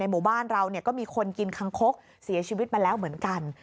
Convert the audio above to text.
หมู่บ้านเราก็มีคนกินคังคกเสียชีวิตมาแล้วเหมือนกัน